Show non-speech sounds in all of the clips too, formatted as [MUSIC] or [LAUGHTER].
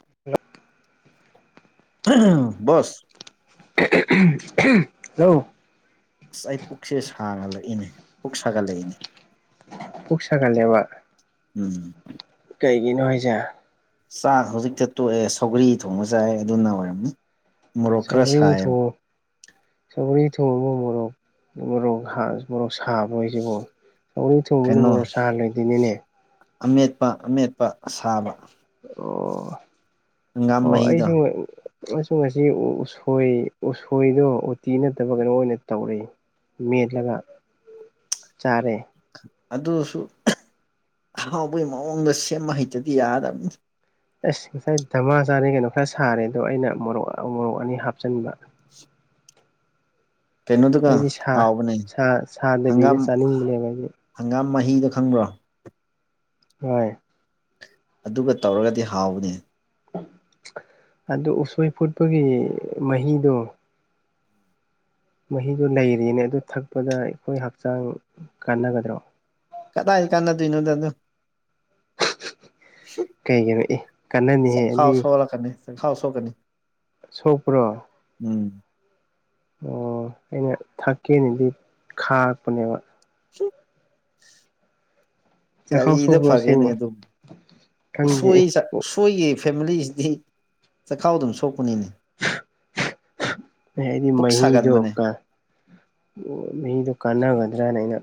ꯍ [UNINTELLIGIBLE] ꯕꯁ [UNINTELLIGIBLE] ꯍꯥꯜꯂꯣ ꯑꯁ ꯑꯩ ꯄꯨꯛꯁꯦ ꯁꯥꯥꯒꯠꯂꯛꯏꯅꯦ ꯄꯨꯛ ꯁꯥꯒꯠꯂꯛꯏꯅꯦ ꯄꯨꯛ ꯁꯥꯒꯠꯂꯦꯕ ꯎꯝ [UNINTELLIGIBLE] ꯀꯩꯒꯤꯅꯣ ꯍꯥꯏꯖꯦ ꯆꯥꯛ ꯍꯧꯖꯤꯛꯇ ꯇꯣꯛꯑꯦ ꯁꯧꯒ꯭ꯔꯤ ꯊꯣꯡꯕ ꯆꯥꯏꯌꯦ ꯑꯗꯨꯅ ꯑꯣꯏꯔꯝꯅꯤ ꯃꯣꯔꯣꯛ ꯈꯔ ꯁꯧꯒ꯭ꯔꯤ ꯁꯥꯏꯌꯦꯕ ꯊꯣꯡ ꯁꯧꯒ꯭ꯔꯤ ꯊꯣꯡꯕꯥꯗ ꯎ ꯃꯣꯔꯣꯛ ꯎ ꯃꯣꯔꯣꯛ ꯍꯥꯟ ꯃꯣꯔꯣꯛ ꯁꯥꯕ꯭ꯔꯣ ꯍꯥꯏꯁꯤꯕꯨ ꯁꯧꯒ꯭ꯔꯤ ꯊꯣꯡꯕꯗ ꯃꯣꯔꯣꯛ ꯁꯥꯍꯜꯂꯣꯏꯗꯣꯏꯅꯤꯅꯦ ꯑꯃꯦꯠꯄꯥ ꯑꯃꯦꯠꯄꯥ ꯁꯥꯕ ꯑꯣ ꯑꯣ ꯃꯍꯤꯗꯣ ꯑꯩꯁꯨ ꯑꯩꯁꯨ ꯉꯥꯁꯤ ꯎꯁꯣꯏ ꯎꯁꯣꯏꯗꯣ ꯎꯠꯇꯤ ꯅꯠꯇꯕ ꯀꯩꯅꯣ ꯑꯣꯏꯅ ꯇꯧꯔꯦ ꯃꯦꯠꯂꯥꯒ ꯆꯥꯔꯦ ꯑꯗꯨꯁꯨ ꯑꯍꯥꯎꯕꯩ ꯃꯑꯣꯡꯗ ꯁꯦꯝꯕ ꯍꯩꯇ꯭ꯔꯗꯤ ꯌꯥꯗꯕꯅꯤꯗ ꯑꯁ ꯉꯁꯥꯏ ꯙꯥꯃꯥ ꯆꯥꯔꯦ ꯀꯩꯅꯣ ꯈ꯭ꯔ ꯁꯥꯔꯦ ꯑꯗꯣ ꯑꯩꯅ ꯃꯣꯔꯣꯛ ꯃꯣꯔꯣꯛ ꯑꯅꯤ ꯍꯥꯞꯆꯟꯕ [UNINTELLIGIBLE] ꯀꯩꯅꯣꯗꯨꯒꯥ ꯑꯩꯗꯤ ꯁꯥ ꯍꯥꯎꯕꯅꯦ ꯁꯥ ꯁꯥꯗꯕꯤꯗ ꯍꯪꯒꯥꯝ ꯆꯥꯅꯤꯡꯕꯅꯦꯕ ꯑꯩꯗꯤ ꯍꯪꯒꯥꯝ ꯃꯥꯍꯤꯗꯣ ꯈꯪꯕ꯭ꯔꯣ ꯍꯣꯏ ꯑꯗꯨꯒ ꯇꯧꯔꯒꯗꯤ ꯍꯥꯎꯕꯅꯦ ꯑꯗꯣ ꯎꯠꯁꯣꯏ ꯐꯨꯠꯄꯥꯒꯤ ꯃꯍꯤꯗꯣ ꯃꯥꯍꯤꯗꯣ ꯂꯩꯔꯤꯅꯦ ꯑꯗꯨ ꯊꯛꯄꯗ ꯑꯩꯈꯣꯏ ꯍꯛꯆꯥꯡ ꯀꯥꯟꯅꯒꯗ꯭ꯔꯣ ꯀꯗꯥꯏꯗ ꯀꯥꯟꯅꯗꯣꯏꯅꯣꯗ ꯑꯗꯣ ꯀꯩꯒꯤꯅꯣ ꯑꯦ ꯀꯥꯟꯅꯅꯤꯍꯦ ꯆꯥꯛꯈꯥꯎ ꯑꯗꯤ ꯁꯣꯛꯂꯛꯀꯥꯅꯤ ꯆꯥꯛꯈꯥꯎ ꯁꯣꯛꯀꯥꯅꯤ ꯁꯣꯛꯄ꯭ꯔꯣ ꯎꯝ ꯑꯣ ꯑꯩꯅ ꯊꯛꯀꯦꯅꯥꯗꯤ ꯈꯥꯛꯄꯅꯦꯕꯥ ꯆ [INAUDIBLE] ꯆꯥꯛꯈꯥꯎ ꯀꯔꯤꯗ ꯁꯣꯛꯄ꯭ꯔꯣ ꯐꯒꯦꯅꯦ ꯑꯁꯦꯡꯕ ꯑꯗꯨꯝ ꯈꯪꯗꯦ ꯎꯁꯣꯏ ꯆ ꯑꯦ ꯁꯣꯏꯒꯤ ꯐꯦꯃꯤꯂꯤꯁꯤꯗꯤ ꯆꯈꯥꯎ ꯑꯗꯨꯝ ꯁꯣꯛꯄꯅꯤꯅꯦ ꯍꯥꯏꯗꯤ ꯄꯨꯛ ꯃꯍꯤꯗꯣ ꯁꯥꯒꯟꯕꯅꯦ ꯀ ꯑꯣ ꯃꯤꯗꯣ ꯀꯥꯟꯅꯒꯗ꯭ꯔꯅ ꯑꯩꯅ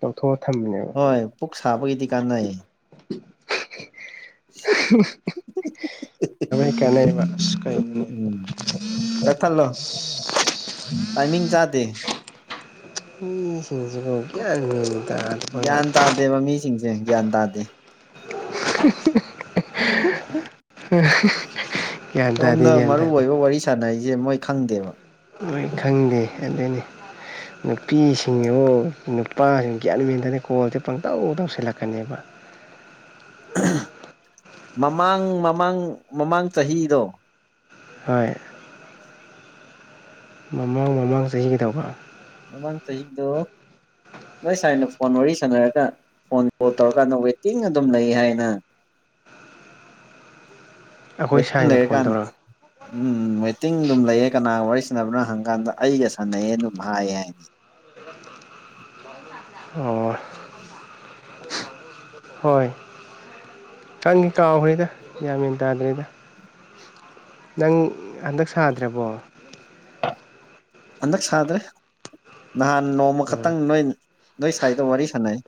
ꯂꯧꯊꯣꯛꯑ ꯊꯝꯃꯅꯦꯕ ꯍꯣꯏ ꯄꯨꯛ ꯁꯥꯕꯒꯤꯗꯤ ꯀꯥꯟꯅꯩ [INAUDIBLE] ꯁꯥꯏ ꯀꯩꯅꯥꯏ ꯃꯥꯁ ꯀꯥꯏ ꯎꯝ ꯀꯛꯊꯠꯂꯣ ꯇꯥꯏꯃꯤꯡ ꯆꯥꯗꯦ ꯃꯤꯁꯤꯡꯁꯤꯡꯁꯤ ꯭ꯌꯥꯟꯗ ꯒ꯭ꯌꯥꯟ ꯇꯥꯗꯦꯕ ꯃꯤ ꯁꯤꯡꯁꯦ ꯒ꯭ꯌꯥꯟ ꯇꯥꯗꯦ ꯒ꯭ꯌꯥꯟ ꯇꯥꯗꯦ ꯒ꯭ꯌꯥꯟ ꯇꯥꯗꯦ ꯁꯥꯟꯅꯩꯖꯦ ꯃꯣꯏ ꯈꯪꯗꯦꯕꯥ ꯃꯣꯏ ꯈꯪꯗꯦ ꯑꯗꯨꯅꯦ ꯅꯨꯄꯤꯁꯤꯡꯒꯤ ꯃꯨꯛ ꯅꯨꯄꯥꯁꯤꯡ ꯒ꯭ꯌꯥꯟ ꯃꯦꯟ ꯇꯥꯗꯦ ꯀꯣꯜꯁꯦ ꯄꯨꯡꯇꯧ ꯇꯧꯁꯜꯂꯛꯀꯥꯅꯤꯕ ꯃꯃꯥꯡ ꯃꯃꯥꯡ ꯃꯃꯥꯡ ꯆꯥꯍꯤꯗꯣ ꯍꯣꯏ ꯃꯃꯥꯡ ꯃꯃꯥꯡ ꯆꯥꯍꯤ ꯀꯩꯗꯧꯕ ꯃꯃꯥꯡ ꯆꯥꯍꯤꯗꯣ ꯅꯣꯏ ꯁꯥꯥꯏꯅ ꯐꯣꯟ ꯋꯥꯔꯤ ꯁꯥꯟꯅꯔꯒ ꯐꯣꯟ ꯀꯣꯜ ꯇꯧꯔꯥꯀꯥꯟꯗ ꯋꯦꯇꯤꯡ ꯑꯗꯨꯝ ꯂꯩꯌꯦ ꯍꯥꯏꯌꯦ ꯅꯪ ꯑꯩꯈꯣꯏ ꯋꯦꯇꯤꯡ ꯁꯥꯏꯅ ꯐꯣꯟ ꯂꯩꯔꯤꯀꯥꯟ ꯇꯧꯔꯛ ꯎꯝ ꯋꯦꯇꯤꯡ ꯑꯗꯨꯝ ꯂꯩꯌꯦ ꯀꯅꯥꯒ ꯋꯥꯔꯤ ꯁꯥꯟꯅꯕꯅꯣ ꯍꯪꯀꯥꯟꯗ ꯑꯩꯒ ꯁꯥꯟꯅꯩꯌꯦ ꯑꯗꯨꯝ ꯍꯥꯏꯌꯦ ꯍꯥꯏꯅꯤ ꯑꯣ ꯍꯣꯏ ꯀꯪꯒꯤ ꯀꯥꯎꯈ꯭ꯔꯤꯗ ꯌꯥꯃꯤꯟ ꯇꯥꯗ꯭ꯔꯤꯗ ꯅꯪ ꯍꯟꯗꯛ ꯁꯥꯗ꯭ꯔꯕꯣ ꯍꯟꯗꯛ ꯁꯥꯗ꯭ꯔꯦ ꯅꯍꯥꯟ ꯅꯣꯡꯃ ꯑꯣ ꯈꯛꯇꯪ ꯅꯣꯏ ꯅꯣꯏ ꯁꯥꯏꯗꯣ ꯋꯥꯔꯤ ꯁꯥꯟꯅꯩ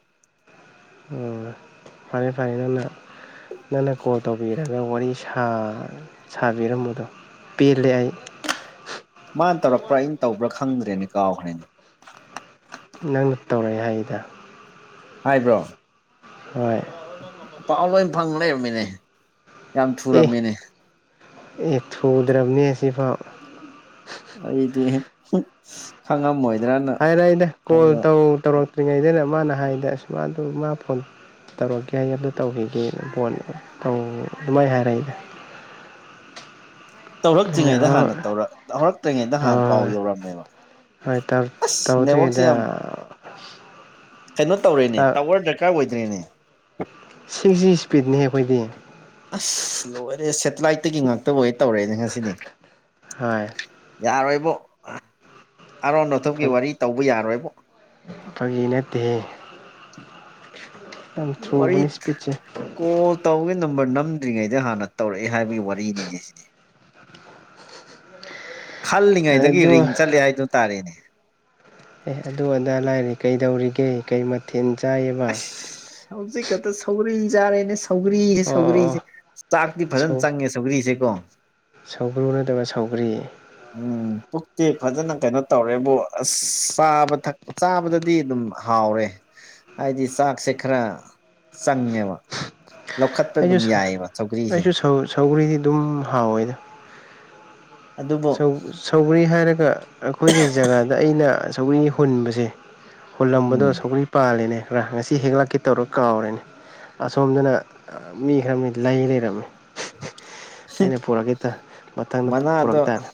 ꯑꯣ ꯐꯔꯦ ꯐꯔꯦ ꯅꯪꯅ ꯅꯪꯅ ꯀꯣꯜ ꯇꯧꯕꯤꯔꯦ ꯑ ꯋꯥꯔꯤ ꯁꯥꯕꯤꯔꯝꯕꯗꯣ ꯄꯦꯜꯂꯦ ꯑꯩ ꯃꯥꯅ ꯇꯧꯔꯛꯄ꯭ꯔꯥ ꯑꯩꯅ ꯇꯧꯕ꯭ꯔꯥ ꯈꯪꯗ꯭ꯔꯦꯅꯦ ꯀꯥꯎꯈ꯭ꯔꯦꯅꯦ ꯅꯪꯅ ꯇꯧꯔꯛꯑꯦ ꯍꯥꯏꯗ ꯍꯥꯏꯕ꯭ꯔꯣ ꯍꯣꯏ ꯄꯥꯎ ꯂꯣꯏ ꯐꯪ ꯂꯩꯔꯝꯃꯤꯅꯦ ꯌꯥꯝ ꯑꯦ ꯊꯨꯔꯝꯃꯤꯅꯦ ꯑꯦ ꯊꯨꯗ꯭ꯔꯕꯅꯤ ꯁꯤꯐꯥꯎ ꯑꯩꯗꯤ ꯍꯝ ꯈꯪꯉꯝꯃꯣꯏꯗ꯭ꯔꯥꯅ ꯍꯥꯏꯔꯛꯢꯅꯦ ꯀꯣꯜ ꯇꯧꯔꯛ ꯇꯧꯔꯛꯇ꯭ꯔꯤꯉꯩꯗꯅꯦ ꯃꯥꯅ ꯍꯥꯏꯗ ꯑꯁ ꯃꯥ ꯃꯥ ꯐꯣꯟ ꯇꯧꯔꯛꯀꯦ ꯍꯥꯏ ꯑꯗ ꯇꯧꯈꯤꯒꯦꯅ ꯕꯣꯠꯅꯦ ꯇꯧ ꯑꯗꯨꯃꯥꯏꯅ ꯍꯥꯏꯔꯛꯏꯅꯦ ꯑꯩꯅ ꯇꯧꯔꯛꯇ꯭ꯔꯤꯉꯩꯗ ꯍꯥꯟꯅ ꯍꯣꯏ ꯇꯧꯔ ꯍꯧꯔꯛꯇ꯭ꯔꯤꯉꯩꯗ ꯍꯥꯟꯅ ꯄꯥꯎ ꯍꯣꯏ ꯌꯧꯔꯝꯃꯦꯕ ꯍꯣꯏ ꯇꯧ ꯑꯁ ꯅꯦꯠꯋꯥꯛꯛꯁꯦ ꯇꯧꯗ꯭ꯔꯤꯉꯩꯗ ꯌꯥꯝ ꯀꯩꯅꯣ ꯇꯧꯔꯦꯅꯦ ꯇꯥꯋꯔ ꯗ ꯀꯥꯔ ꯑꯣꯏꯗꯔꯤꯅꯦ ꯁꯤꯛꯁꯖꯤ ꯁ꯭ꯀꯤꯟꯅꯦ ꯑꯈꯣꯢꯒꯤ ꯑꯁ ꯂꯣꯏꯔꯦ ꯁꯦꯇꯤꯂꯥꯏꯠꯇꯒꯤ ꯉꯥꯛꯇꯕ ꯑꯣꯏ ꯇꯧꯔꯛꯑꯦꯅꯦ ꯉꯁꯤꯅꯦ ꯍꯣꯏ ꯌꯥꯔꯣꯏꯕꯣ ꯑꯔꯣꯟ ꯅꯊꯨꯞꯀꯤ ꯋꯥꯔꯤ ꯇꯧꯕ ꯌꯥꯔꯣꯏꯕꯣ ꯐꯒꯤ ꯅꯠꯇꯦꯍꯦ ꯌꯥꯝ ꯊꯨꯕꯅꯤ ꯋꯔꯤꯠ ꯏꯁꯄꯤꯠꯁꯦ ꯀꯣꯜ ꯇꯧꯒꯦ ꯅꯝꯕꯔ ꯅꯝꯗ꯭ꯔꯤꯉꯩꯗ ꯍꯥꯟꯅ ꯇꯧꯔꯛꯑꯦ ꯍꯥꯏꯕꯒꯤ ꯋꯥꯔꯤꯅꯤꯅꯦ ꯁꯤꯗꯤ ꯈꯜꯂꯤꯉꯩꯗꯒꯤ ꯑꯗꯣ ꯔꯤꯡ ꯆꯠꯂꯦ ꯍꯥꯏꯗꯨ ꯇꯥꯔꯦꯅꯦ ꯑꯦ ꯑꯗꯨ ꯑꯗꯥ ꯂꯥꯏꯔꯤ ꯀꯩꯗꯧꯔꯤꯒꯦ ꯀꯩ ꯃꯊꯦꯜ ꯆꯥꯏꯌꯦꯕ ꯑꯁ ꯍꯧꯖꯤꯛ ꯈꯛꯇ ꯁꯧꯒꯔꯤ ꯆꯥꯔꯦꯅꯦ ꯁꯧꯒꯔꯤꯁꯦ ꯑꯣ ꯑꯣ ꯁꯧꯒ꯭ꯔꯤꯁꯦ ꯆꯥꯛꯇꯤ ꯁꯧ ꯐꯖꯅ ꯆꯪꯉꯦ ꯁꯧꯒ꯭ꯔꯤꯁꯦꯀꯣ ꯁꯧꯒ꯭ꯔꯨ ꯅꯠꯇꯕ ꯁꯧꯒꯔꯤ ꯎꯝ ꯄꯨꯛꯇꯤ ꯐꯖꯅ ꯀꯩꯅꯣ ꯇꯧꯔꯦꯕꯨ ꯑꯁ ꯆꯥꯕ ꯊꯛ ꯆꯥꯕꯗꯗꯤ ꯑꯗꯨꯝ ꯍꯥꯎꯔꯦ ꯍꯥꯏꯗꯤ ꯆꯥꯛꯁꯦ ꯈꯔ ꯆꯪꯉꯦꯕ ꯂꯧꯈꯠꯄ ꯑꯗꯨꯝ ꯌꯥꯏꯑꯦꯕ ꯁꯧꯒ꯭ꯔꯤꯁꯦ ꯁꯧꯒꯔꯤꯗꯤ ꯑꯗꯨꯝ ꯍꯥꯎꯋꯦꯗ ꯑꯗꯨꯕꯨ ꯁꯧꯒꯔꯤ ꯍꯥꯏꯔꯒ ꯑꯩꯈꯣꯏꯒꯤ ꯖꯒꯥꯗ ꯑꯩꯅ ꯁꯧꯒꯔꯤ ꯍꯨꯟꯕꯁꯦ ꯍꯨꯜꯂꯝꯕꯗꯣ ꯎꯝ ꯁꯧꯒ꯭ꯔꯤ ꯄꯥꯜꯂꯦꯅꯦ ꯈꯔ ꯉꯁꯤ ꯍꯦꯛꯂꯛꯀꯦ ꯇꯧꯔ ꯀꯥꯎꯔꯦꯅꯦ ꯑꯁꯣꯝꯗꯅ ꯃꯤ ꯈꯔ ꯂꯩ ꯂꯩꯔꯝꯃꯤ ꯑꯩꯅ ꯄꯨꯔꯛꯈꯤꯗ ꯃꯊꯪꯗ ꯄꯨꯔꯛ ꯃꯅꯥꯗꯣ ꯇꯥꯔꯦ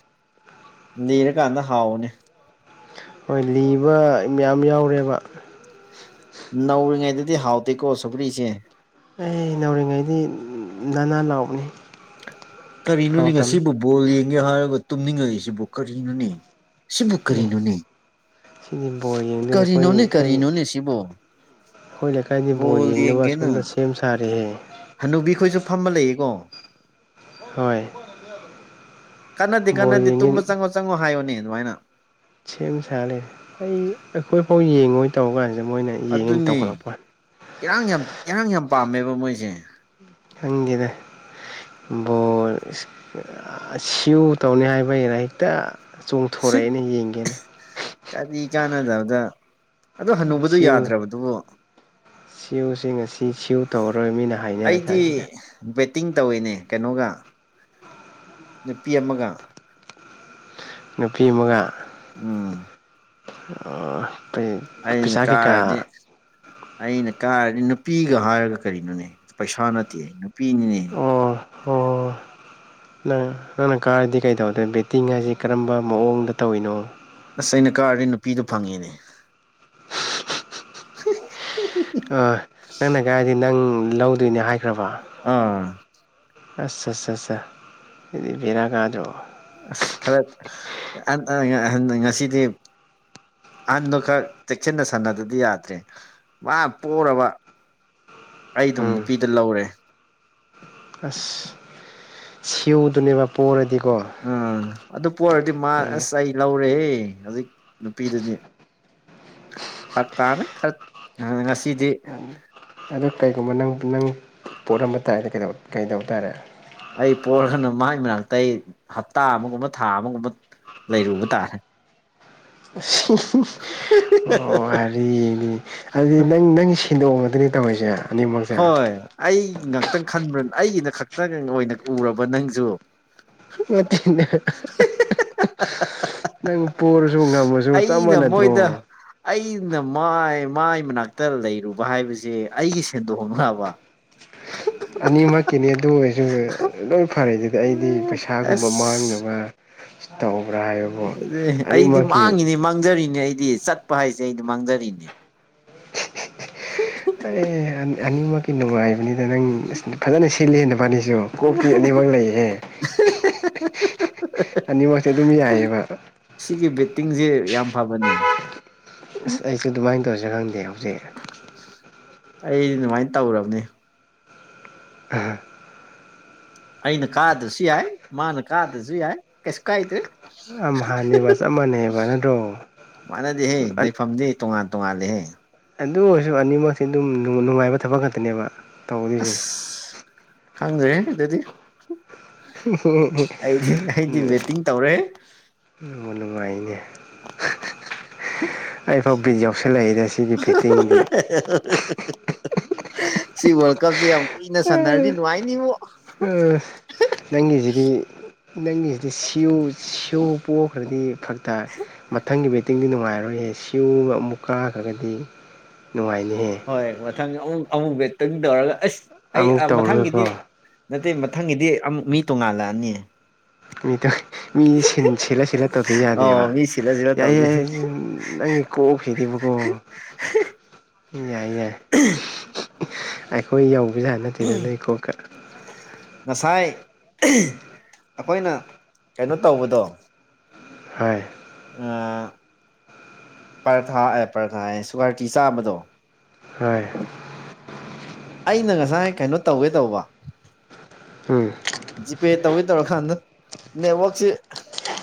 ꯂꯤꯔꯀꯥꯟꯗ ꯍꯥꯎꯕꯅꯦ ꯍꯣꯏ ꯂꯤꯕ ꯃꯌꯥꯝ ꯌꯥꯎꯔꯦꯕ ꯅꯧꯔꯤꯉꯩꯗꯗꯤ ꯍꯥꯎꯇꯦꯀꯣ ꯁꯧꯒ꯭ꯔꯤꯁꯦ ꯑꯩ ꯅꯧꯔꯤꯉꯩꯗꯤ ꯅꯥꯟ ꯅꯥꯟ ꯂꯥꯎꯕꯅꯤ ꯀꯔꯤꯅꯣꯅꯤ ꯍꯥꯎꯇꯕꯅꯤ ꯉꯁꯤꯕꯨ ꯕꯣꯜ ꯌꯦꯡꯒꯦ ꯍꯥꯏꯔꯒ ꯇꯨꯝꯅꯤꯡꯉꯛꯏꯁꯤꯕꯨ ꯀꯔꯤꯅꯣꯅꯦ ꯁꯤꯕꯨ ꯑꯦ ꯀꯔꯤꯅꯣꯅꯦ ꯁꯤꯗꯤ ꯕꯣꯜ ꯌꯦꯡꯗꯣꯏꯅꯤ ꯑꯩꯈꯣꯏ ꯀꯔꯤꯅꯣꯅꯦ ꯑꯩꯈꯣꯏ ꯀꯔꯤꯅꯣꯅꯦ ꯁꯤꯕꯨ ꯑꯩꯈꯣꯏ ꯂꯩꯀꯥꯏꯗꯤ ꯕꯣꯜ ꯌꯦꯡꯅꯕ ꯑꯁꯣꯝꯗ ꯁꯦꯝ ꯁꯥꯔꯦꯍꯦ ꯍꯟꯅꯨꯕꯤꯈꯣꯏꯁꯨ ꯐꯝꯃ ꯂꯩꯌꯦꯀꯣ ꯍꯣꯏ ꯀꯥꯟꯅꯗꯦ ꯕꯣꯜ ꯀꯟꯅꯗꯦ ꯇꯨꯝꯕ ꯌꯦꯡꯉꯤ ꯆꯪꯉꯣ ꯆꯪꯉꯣ ꯍꯥꯏꯌꯣꯅꯦ ꯑꯗꯨꯃꯥꯏꯅ ꯁꯦꯝ ꯁꯥ ꯂꯩꯔꯦ ꯑꯩ ꯑꯩꯈꯣꯏꯐꯥꯎ ꯌꯦꯡꯉꯣꯏ ꯇꯧ ꯀꯥꯟꯁꯤꯗ ꯃꯣꯏꯅ ꯌꯦꯡꯉꯦꯅ ꯑꯗꯨꯅꯦ ꯇꯧꯈꯠꯂꯛꯄ ꯏꯔꯥꯡ ꯌꯥꯝ ꯏꯔꯥꯡ ꯌꯥꯝ ꯄꯥꯝꯃꯦꯕ ꯃꯣꯏꯁꯦ ꯈꯪꯗꯦꯗ ꯕꯣꯔ ꯁꯤꯎ ꯇꯧꯅꯤ ꯍꯥꯏꯕꯩꯔꯌꯦ ꯑꯩꯅ ꯍꯦꯛꯇ ꯆꯣꯡꯊꯣꯔꯛꯑꯦꯅꯦ ꯌꯦꯡꯒꯦꯅ ꯀꯗꯤ ꯀꯥꯟꯅꯗꯕꯗ ꯑꯗꯣ ꯍꯅꯨꯕꯗꯨ ꯁꯤꯎ ꯌꯥꯗ꯭ꯔꯕꯗꯨꯕꯨ ꯁꯤꯎꯁꯤ ꯉꯁꯤ ꯁꯤꯎ ꯇꯧꯔꯣꯏ ꯃꯤ ꯑꯩꯗꯤ ꯕꯋꯦꯇꯤꯡ ꯇꯧꯋꯦꯅꯦ ꯀꯩꯅꯣꯒ ꯅꯨꯄꯤ ꯑꯃꯒ ꯅꯨꯄꯤ ꯑꯃꯒ ꯎꯝ ꯇ ꯑꯩꯅ ꯀꯥꯔꯗꯤ ꯑꯩꯅ ꯀꯥꯔꯗꯤ ꯅꯨꯄꯤꯒ ꯍꯥꯏꯔꯒ ꯀꯔꯤꯅꯣꯅꯦ ꯄꯩꯁꯥ ꯅꯠꯇꯦ ꯅꯨꯄꯤꯅꯤꯅꯦ ꯑꯣ ꯑꯣ ꯅꯪ ꯅꯪꯅ ꯀꯥꯔꯤꯗꯤ ꯀꯩꯗꯧꯗꯦ ꯕꯦꯠꯇꯤꯡ ꯍꯥꯏꯁꯤ ꯀꯔꯝꯕ ꯃꯑꯣꯡꯗ ꯇꯧꯔꯤꯅꯣ ꯑꯁ ꯑꯩꯅ ꯀꯥꯔꯗꯤ ꯅꯨꯄꯤꯗꯨꯣ ꯐꯪꯉꯦꯅꯦ ꯑ ꯅꯪꯅ ꯀꯒꯥꯥꯏꯗꯤ ꯅꯪ ꯂꯧꯗꯣꯏꯅꯦ ꯍꯥꯏꯈ꯭ꯔꯕ ꯑꯥ ꯑꯁ ꯑ ꯑ ꯑꯗꯨꯗꯤ ꯕꯦꯔꯥ ꯀꯥꯗ꯭ꯔꯑꯣ ꯑꯁ ꯈꯔ ꯉꯁꯤꯗꯤ ꯑꯍꯟꯗꯨꯣ ꯈꯔ ꯆꯦꯛꯁꯤꯟꯅ ꯁꯥꯟꯅꯗꯗꯤ ꯌꯥꯗ꯭ꯔꯦ ꯄꯔꯕ ꯑꯩ ꯑꯗꯨꯝ ꯎꯝ ꯅꯨꯄꯤꯗ ꯂꯧꯔꯦ ꯑꯁ ꯁꯤꯌꯎꯗꯨꯅꯦꯕ ꯄꯔꯗꯤ ꯎꯥ ꯑꯗꯨ ꯄꯔꯗꯤ ꯃꯥ ꯎꯝ ꯑꯁ ꯑꯩ ꯂꯧꯔꯦ ꯍꯧꯖꯤꯛ ꯅꯨꯄꯤꯗꯨꯗꯤ ꯐꯛ ꯇꯥꯃꯦ ꯈ ꯉꯁꯤꯗꯤ ꯑ ꯀꯩꯒꯨꯝꯕ ꯅꯪ ꯅꯪ ꯄꯣꯠꯂꯝꯝꯕ ꯇꯥꯏ ꯀꯩꯗꯧꯕ ꯇꯥꯔꯦ ꯑꯩ ꯄꯣꯔꯒꯅ ꯃꯒꯤ ꯃꯅꯥꯛꯇ ꯑꯩ ꯍꯞꯇꯥ ꯑꯃꯒꯨꯝꯕ ꯊꯥ ꯑꯃꯒꯨꯝꯕ ꯂꯩꯔꯨꯕ ꯇꯥꯔꯦ ꯑꯣ ꯍꯥꯏꯔꯤꯅꯤ ꯑꯗꯨꯗꯤ ꯅꯪ ꯅꯪ ꯁꯤꯟꯗꯣꯛꯑꯕꯗꯨꯅꯦ ꯇꯧꯔꯤꯁꯦ ꯑꯅꯤꯃꯛꯁꯦ ꯍꯣꯏ ꯑꯩ ꯉꯥꯛꯇꯪ ꯈꯟꯕ꯭ꯔ ꯑꯩꯒꯤꯅ ꯈꯛꯇꯪ ꯑꯣꯏꯅ ꯎꯔꯕ ꯅꯪꯁꯨ ꯃꯠꯇꯅ ꯅꯪ ꯄꯨꯔꯁꯨ ꯉꯝꯃꯁꯨ ꯆꯞ ꯑꯩꯅ ꯃꯥꯟꯅꯗ꯭ꯔꯣ ꯃꯣꯏꯗ ꯑꯩꯅ ꯃꯥꯏ ꯃꯥꯏ ꯃꯅꯥꯛꯇ ꯂꯩꯔꯨꯕ ꯍꯥꯏꯕꯁꯦ ꯑꯩꯒꯤ ꯁꯦꯟꯗꯣꯛ ꯍꯣꯡꯅꯕ ꯑꯅꯤꯃꯛꯀꯤꯅꯤ ꯑꯗꯨ ꯑꯣꯏꯔꯁꯨ ꯂꯣꯏ ꯐꯔꯦ ꯑꯗꯨꯗꯤ ꯑꯩꯗꯤ ꯄꯩꯁꯥꯒꯨꯝꯕ ꯑꯁ ꯃꯥꯡꯅꯕ ꯇꯧꯕꯧꯕ꯭ꯔꯥ ꯍꯥꯏꯌ ꯑꯗꯨ ꯑꯩꯗꯤ ꯃꯥꯡꯉꯤꯅꯦ ꯃꯥꯡꯖꯔꯤꯅꯦ ꯑꯩꯗꯤ ꯆꯠꯄ ꯍꯥꯏꯁꯦ ꯑꯩꯗꯤ ꯃꯥꯡꯖꯔꯤꯅꯦ ꯑꯦ ꯑꯅꯤꯃꯛꯀꯤ ꯅꯨꯡꯉꯥꯏꯕꯅꯤꯅ ꯅꯪ ꯐꯖꯅ ꯁꯤꯂꯦꯅ ꯐꯅꯤꯁꯨ ꯀꯣꯛꯇꯤ ꯑꯅꯤꯃꯛ ꯂꯩꯌꯦ ꯑꯅꯤꯃꯛꯇꯤ ꯑꯗꯨꯝ ꯌꯥꯏꯑꯕ ꯁꯤꯒꯤ ꯕꯦꯠꯇꯤꯡꯁꯦ ꯌꯥꯝ ꯐꯕꯅꯦ ꯑꯁ ꯑꯩꯁꯨ ꯑꯗꯨꯃꯥꯏꯅ ꯇꯧꯔꯁꯦ ꯈꯪꯗꯦ ꯍꯧꯖꯤꯛ ꯑꯩ ꯑꯗꯨꯃꯥꯏꯅ ꯇꯧꯔꯕꯅꯦ ꯎꯝ ꯑꯩꯅ ꯀꯥꯗ꯭ꯔꯁꯨ ꯌꯥꯏ ꯃꯥꯅ ꯀꯥꯗ꯭ꯔꯁꯨ ꯌꯥꯏ ꯀꯩꯁꯨ ꯀꯥꯏꯗ꯭ꯔꯦ ꯌꯥꯝ ꯍꯅꯦꯕ ꯆꯞ ꯃꯥꯟꯅꯩꯕ ꯅꯗꯣ ꯃꯥꯟꯅꯗꯦꯍꯦ ꯂꯩꯐꯝꯗꯤ ꯇꯣꯉꯥꯟ ꯇꯣꯉꯥꯜꯂꯦꯍꯦ ꯑꯗꯨ ꯑꯣꯏꯔꯁꯨ ꯑꯅꯤꯃꯛꯛꯇꯤ ꯑꯗꯨꯝ ꯅꯨꯡꯉꯥꯏꯕ ꯊꯕꯛ ꯈꯛꯇꯅꯦꯕ ꯇꯧꯗꯣꯏꯁꯦ ꯑꯁ ꯈꯪꯖꯦ ꯑꯗꯨꯗꯤ ꯑꯩꯗꯤ ꯑꯩꯗꯤ ꯕꯦꯠꯇꯤꯡ ꯇꯧꯔꯦ ꯅ ꯅꯨꯡꯉꯥꯏꯅꯦ ꯑꯩꯐꯥꯎ ꯕꯤ ꯌꯥꯎꯁꯜꯂꯛꯏꯗꯦ ꯁꯤꯒꯤ ꯐꯤꯠꯇꯤꯡꯗꯤ ꯁꯤ ꯋꯥꯔꯜ ꯀꯞꯁꯦ ꯌꯥꯝ ꯀꯨꯏꯅ ꯁꯥꯟꯅꯔꯗꯤ ꯅꯨꯡꯉꯥꯏꯅꯤꯕ ꯅꯪꯒꯤꯁꯤꯗꯤ ꯅꯪꯒꯤꯁꯤꯗꯤ ꯁꯤꯌꯨ ꯁꯤꯎ ꯄꯣꯛꯈ꯭ꯔꯗꯤ ꯐꯛꯇ ꯃꯊꯪꯒꯤ ꯕꯦ ꯤꯡꯗꯤ ꯅꯨꯡꯉꯥꯏꯔꯣꯏꯌꯦ ꯁꯤꯨꯕ ꯑꯃꯨꯛ ꯀꯥꯈ꯭ꯔꯒꯗꯤ ꯅꯨꯡꯉꯥꯏꯅꯤ ꯍꯣꯏ ꯃꯊꯪ ꯑꯃꯨꯛ ꯑꯃꯨꯛ ꯕꯦꯛꯇꯪ ꯇꯧꯔꯒ ꯑꯁ ꯑꯩ ꯑꯃꯨꯛ ꯃꯊꯪꯒꯤꯗꯤ ꯇꯧꯔꯒꯀꯣ ꯅꯠꯇꯦ ꯃꯊꯪꯒꯤꯗꯤ ꯑꯃꯨꯛ ꯃꯤ ꯇꯣꯡꯉꯥꯜꯂꯛꯑꯅꯤ ꯃꯤꯗꯣ ꯃꯤ ꯁꯤꯠꯂ ꯁꯤꯠꯂ ꯇꯧꯗ ꯌꯥꯗꯦꯕ ꯑꯧ ꯃꯤ ꯁꯤꯜꯂ ꯁꯤꯜꯂ ꯌꯥꯏ ꯌꯥꯏ ꯇꯧꯗꯣꯏꯅꯤ ꯅꯪꯒꯤ ꯀꯣꯛꯈꯤꯗꯕꯀꯣ ꯌꯥꯏ ꯌꯥꯏ ꯑꯩꯈꯣꯏ ꯌꯧꯕꯁꯦ ꯍꯥꯏ ꯅꯠꯇꯦꯗ ꯅꯣꯏ ꯈꯣꯠꯀ ꯉꯁꯥꯏ ꯑꯩꯈꯣꯏꯅ ꯀꯩꯅꯣ ꯇꯧꯕꯗꯣ ꯍꯥꯏ [UNINTELLIGIBLE] ꯄꯔꯊꯥ ꯑꯦ ꯄꯔꯊꯥ ꯑꯦ ꯁꯨꯒꯥꯔ ꯇꯤ ꯆꯥꯝꯕꯗꯣ ꯍꯣꯏ ꯑꯩꯅ ꯉꯁꯥꯏ ꯀꯩꯅꯣ ꯇꯧꯒꯦ ꯇꯧꯕ ꯎꯝ ꯖꯤꯄꯦ ꯇꯧꯒꯦ ꯇꯧꯔꯀꯥꯟꯗ ꯅꯦꯠꯋꯛꯁꯦ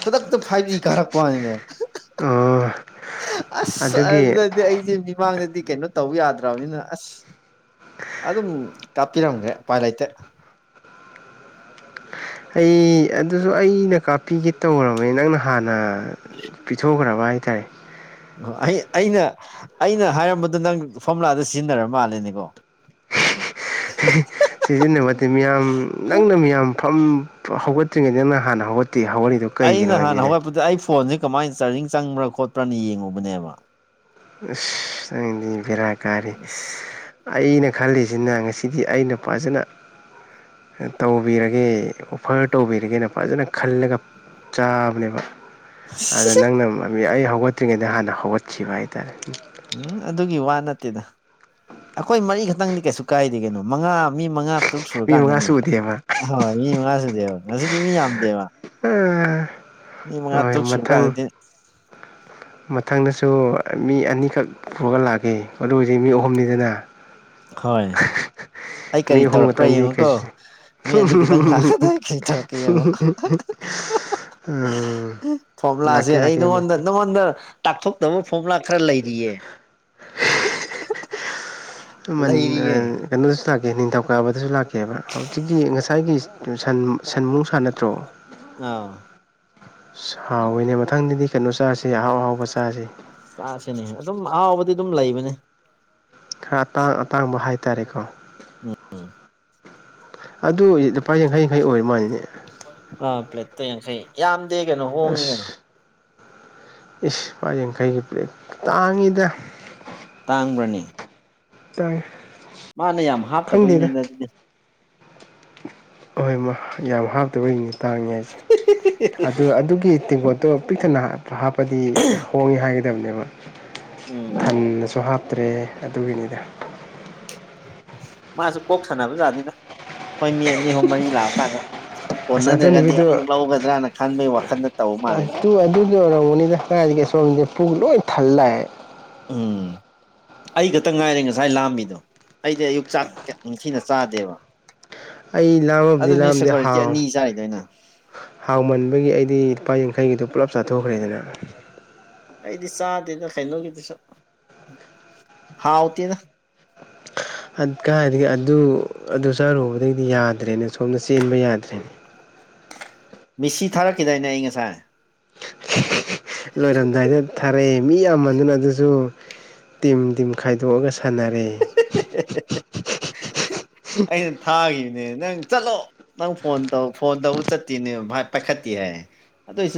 ꯈꯨꯗꯛꯇ ꯐꯥꯏꯚ ꯀꯥꯔꯛꯄꯅꯤꯅꯦ ꯑꯣ ꯑꯁ ꯑꯗꯨꯒꯤ ꯑꯗꯨꯗꯗꯤ ꯑꯩꯁꯦ ꯃꯤꯃꯥꯡꯗꯗꯤ ꯀꯩꯅꯣ ꯇꯧ ꯌꯥꯗ꯭ꯔꯕꯅꯤꯅ ꯑꯁ ꯑꯗꯨꯝ ꯀꯥꯞꯄꯤꯔꯝꯒꯦ ꯄꯥꯏ ꯂꯩꯥꯏꯇ ꯑꯩ ꯑꯗꯨꯁꯨ ꯑꯩꯅ ꯀꯥꯞꯄꯤꯒꯦ ꯇꯧꯔꯕꯅꯤ ꯅꯪꯅ ꯍꯥꯟꯅ ꯄꯤꯊꯣꯛꯈ꯭ꯔꯕ ꯍꯥꯏꯇꯥꯔꯦ ꯑꯣ ꯑꯩ ꯑꯩꯅ ꯑꯩꯅ ꯍꯥꯏꯔꯝꯕꯗꯣ ꯅꯪ ꯐꯣꯝꯂꯥꯗ ꯁꯤꯖꯤꯟꯅꯔ ꯃꯥꯜꯂꯦꯅꯦꯀꯣ [INAUDIBLE] ꯁꯤꯖꯤꯟꯅꯕꯗꯤ ꯃꯤꯌꯥꯝ ꯅꯪꯅ ꯃꯤꯌꯥꯝ ꯐꯝ ꯍꯧꯒꯠꯇ꯭ꯔꯤꯉꯩꯗ ꯅꯪꯅ ꯍꯥꯟꯅ ꯍꯧꯒꯠꯇ ꯇ ꯍꯧꯒꯅꯤꯗꯣ ꯑꯩꯅ ꯍꯥꯟꯅ ꯍꯧꯒꯠꯄꯗ ꯑꯩ ꯐꯣꯟꯁꯦ ꯀꯃꯥꯏꯅ ꯆꯥꯔꯖꯤꯡ ꯆꯪꯕ꯭ꯔꯥ ꯈꯣꯠꯄ꯭ꯔꯥꯅ ꯌꯦꯡꯉꯨꯕꯅꯦꯕ ꯗꯤ ꯕꯤꯔꯥ ꯀꯔꯤ ꯑꯁ ꯑꯩꯅ ꯈꯜꯂꯤꯁꯤꯅ ꯉꯁꯤꯗꯤ ꯑꯩꯅ ꯐꯖꯅ ꯇꯧꯕꯤꯔꯒꯦ ꯑꯣꯐꯔ ꯇꯧꯕꯤꯔꯒꯦꯅ ꯐꯖꯅ ꯈꯜꯂꯒ ꯆꯥꯕꯅꯦꯕ ꯑꯗ ꯅꯪꯅ ꯑꯩ ꯍꯧꯒꯠꯇ꯭ꯔꯤꯉꯩꯗ ꯍꯥꯟꯅ ꯍꯧꯒꯠꯈꯤꯕ ꯍꯥꯏꯇꯥꯔꯦ ꯎꯝ ꯑꯗꯨꯒꯤ ꯋꯥ ꯅꯠꯇꯦꯗ ꯑꯩꯈꯣꯏ ꯃꯔꯤꯈꯛꯇꯪꯗꯤ ꯀꯩꯁꯨ ꯀꯥꯏꯗꯦ ꯀꯅꯣ ꯃꯉꯥ ꯃꯤ ꯃꯉꯥ ꯇꯨꯛ ꯃꯤ ꯃꯉꯥ ꯁꯨꯔꯀꯥꯟꯗꯅꯤ ꯁꯨꯗꯦꯕ ꯑꯍꯣꯏ ꯃꯤ ꯃꯉꯥ ꯁꯨꯗꯦꯕ ꯉꯁꯤꯗꯤ ꯃꯤ ꯌꯥꯝꯗꯦꯕ ꯎꯝ ꯃꯤ ꯃꯉꯥ ꯇꯔꯨꯛ ꯁꯨꯔꯀꯥꯟꯗꯗꯤ ꯃꯊꯪꯗꯁꯨ ꯃꯤ ꯑꯅꯤꯈꯛ ꯄꯨꯔꯒ ꯂꯥꯛꯈꯤ ꯑꯗꯨ ꯍꯧꯖꯤꯛ ꯃꯤ ꯑꯍꯨꯝꯅꯤꯗꯅ ꯍꯣꯏ ꯑꯩ ꯀꯔꯤ ꯃꯤ ꯑꯍꯨꯝ ꯇꯧꯔꯛꯄ꯭ꯔꯥ ꯈꯛꯇꯪꯗꯤ ꯌꯦꯡꯉꯨꯀꯣ ꯀꯩꯁꯨ ꯃꯤ ꯑꯅꯤꯗꯪ ꯂꯥꯛꯗ ꯈꯦ ꯊꯔ ꯀꯩ ꯌꯦꯡꯉꯣ ꯎꯝ ꯐꯣꯝꯂꯥꯁꯦ ꯂꯥꯛꯀꯦ ꯑꯩ ꯂꯥꯛꯀꯦ ꯅꯉꯣꯟꯗ ꯃꯊꯪ ꯅꯪꯉꯣꯟꯗ ꯇꯥꯛꯊꯣꯛꯅꯕ ꯐꯣꯔꯃꯨꯂꯥ ꯈꯔ ꯂꯩꯔꯤꯌꯦ ꯂꯩꯔꯤꯌꯦ ꯀꯩꯅꯣꯗꯁꯨ ꯂꯥꯛꯀꯦ ꯅꯤꯡꯊꯧꯀꯥꯕꯗꯁꯨ ꯂꯥꯛꯀꯦꯕ ꯍꯧꯖꯤꯛꯀꯤ ꯉꯁꯥꯏꯒꯤ ꯟ ꯁꯟꯃꯨ ꯁꯥꯥꯟ ꯅꯠꯇ꯭ꯔꯣ ꯑꯥ ꯍꯥꯎꯋꯤꯅꯦ ꯃꯊꯪꯗꯗꯤ ꯀꯩꯅꯣ ꯆꯥꯁꯦ ꯑꯍꯥꯎ ꯑꯍꯥꯎꯕ ꯆꯥꯁꯦ ꯆꯁꯤꯅꯦ ꯑꯗꯨꯝ ꯑꯍꯥꯎꯕꯗꯤ ꯑꯗꯨꯝ ꯂꯩꯕꯅꯦ ꯈꯔ ꯑꯇꯥꯡ ꯑꯇꯥꯡꯕ ꯍꯥꯏꯇꯥꯔꯦꯀꯣ ꯎꯝꯝ ꯑꯗꯨ ꯂꯨꯄꯥ ꯌꯥꯡꯈꯩ ꯌꯥꯡꯈꯩ ꯑꯣꯏꯔ ꯃꯥꯜꯂꯤꯅꯦ ꯑꯥ ꯄ꯭ꯂꯦꯠꯇ ꯌꯥꯡꯈꯩ ꯌꯥꯝꯗꯤꯦ ꯀꯩꯅꯣ ꯍꯣꯡꯉꯤ ꯀꯩꯅꯣ ꯑꯁ ꯏꯁ ꯃꯥ ꯌꯥꯡꯈꯩꯒꯤ ꯄ꯭ꯂꯦꯠ ꯇꯥꯡꯉꯤꯗ ꯇꯥꯡꯕ꯭ꯔꯅꯤ ꯇꯥꯏ ꯃꯥꯅꯦ ꯌꯥꯝ ꯍꯥꯞꯇꯕꯒꯤꯅꯦꯅ ꯑꯗꯨꯗꯤ ꯍꯣꯏ ꯌꯥꯝ ꯍꯥꯞꯇꯕꯅꯤ ꯇꯥꯡꯉꯦ ꯍꯥꯏꯁꯦ ꯑꯗꯨ ꯑꯗꯨꯒꯤ ꯇꯦꯡꯀꯣ ꯑꯗꯣ ꯄꯤꯛꯇꯅ ꯍꯥꯞꯄꯗꯤ ꯍꯣꯡꯉꯦ ꯍꯥꯏꯒꯗꯕꯅꯦꯕ ꯎꯝ ꯊꯟꯅꯁꯨ ꯍꯥꯞꯇ꯭ꯔꯦ ꯑꯗꯨꯒꯤꯅꯤꯗ ꯃꯥꯁꯨ ꯀꯣꯛ ꯁꯥꯟꯅꯕꯖꯥꯠꯅꯤꯗ ꯑꯩꯈꯣꯏ ꯃꯤ ꯑꯅꯤ ꯑꯍꯨꯝ ꯃꯔꯤ ꯂꯥꯛꯑꯀꯥꯟꯗ ꯑꯁ ꯑꯗꯨ ꯀꯣꯟꯅꯗ꯭ꯔꯒꯗꯤ ꯅꯨꯃꯤꯠꯇꯨ ꯑꯃꯨꯛ ꯂꯧꯒꯗ꯭ꯔꯅ ꯈꯟꯕꯒꯤ ꯋꯥꯈꯜꯗ ꯇꯧ ꯃꯥꯜꯂꯦ ꯑꯗꯨ ꯑꯗꯨꯒꯤ ꯑꯣꯏꯔꯝꯒꯅꯤꯗ ꯀꯥꯏꯗꯒꯤ ꯑꯁꯣꯝꯗꯗꯤ ꯨꯛ ꯂꯣꯏ ꯊꯜꯂꯛꯑꯦ ꯎꯝ ꯑꯩ ꯈꯛꯇ ꯉꯥꯏꯔꯦ ꯉꯁꯥꯏ ꯂꯥꯝꯃꯤꯗꯣ ꯑꯩꯗꯤ ꯑꯌꯨꯛ ꯆꯥꯛ ꯅꯤꯡꯊꯤꯅ ꯆꯥꯗꯦꯕ ꯑꯩ ꯂꯥꯝꯃꯕꯗꯤ ꯑꯗꯨꯅꯤ ꯂꯥꯝꯗꯤ ꯁꯦꯀꯨꯔꯤꯇꯤ ꯍꯥꯎ ꯑꯅꯤ ꯆꯥꯔꯤꯗꯣ ꯑꯩꯅ ꯍꯥꯎꯃꯟꯕꯒꯤ ꯑꯩꯗꯤ ꯂꯨꯄꯥ ꯌꯥꯡꯈꯩꯒꯤꯗꯨ ꯄꯨꯜꯂꯞ ꯆꯥꯊꯣꯛꯈ꯭ꯔꯦꯗꯅ ꯑꯩꯗꯤ ꯆꯥꯗꯦꯅ ꯀꯩꯅꯣꯒꯤꯗꯨꯁꯨ ꯍꯥꯎꯇꯦꯅ ꯀꯥꯏꯗꯒꯤ ꯑꯗꯨ ꯑꯗꯨ ꯆꯠꯔꯨꯕꯗꯒꯤꯗꯤ ꯌꯥꯗ꯭ꯔꯦꯅꯦ ꯁꯣꯝꯅ ꯆꯦꯟꯕ ꯌꯥꯗ꯭ꯔꯦꯅꯦ ꯃꯤꯁꯤ ꯊꯥꯔꯛꯈꯤꯗꯥꯏꯅꯦ ꯑꯩ ꯉꯁꯥꯏ ꯂꯣꯏꯔꯝꯗꯥꯏꯗ ꯊꯥꯔꯛꯑꯦ ꯃꯤ ꯌꯥꯝꯃꯟꯗꯅ ꯑꯗꯨꯁꯨ ꯇꯤꯝ ꯇꯤꯝ ꯈꯥꯏꯗꯣꯛꯑꯒ ꯁꯥꯟꯅꯔꯦ ꯑꯩꯅ ꯊꯥꯈꯤꯕꯅꯦ ꯅꯪ ꯆꯠꯂꯣ ꯅꯪ ꯐꯣꯟ ꯇꯧ ꯐꯣꯟ ꯇꯧꯕ ꯆꯠꯇꯤꯅꯦ ꯚꯥꯏ ꯄꯥꯏꯈꯠꯇꯦ ꯍꯥꯏ ꯑꯗꯨꯏꯁꯨ